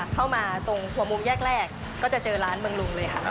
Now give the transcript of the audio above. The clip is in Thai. เข้ามาตรงหัวมุมแยกก็จะเจอร้านเบิร์งรุงเลย